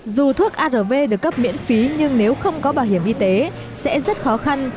dù thuốc arv được cấp miễn phí nhưng nếu không có bảo hiểm y tế sẽ rất khó khăn